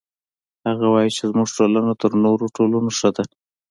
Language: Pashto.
هغه وایي چې زموږ ټولنه تر نورو ټولنو ښه ده